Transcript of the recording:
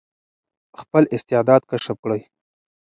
خپل استعداد کشف کړئ.